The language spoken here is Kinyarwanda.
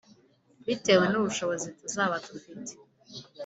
bitewe n’ubushobozi tuzaba dufite